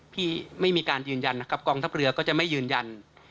ที่ไม่มีการยืนยันนะครับกองทัพเรือก็จะไม่ยืนยัน